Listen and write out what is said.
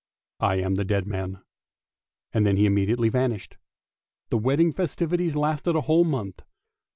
I am the dead man! " And then he immediately vanished. The wedding festivities lasted a whole month.